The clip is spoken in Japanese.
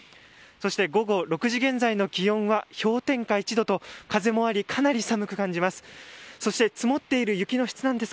そして午後６時現在の気温は氷点下１度と風もありかなり寒く感じます。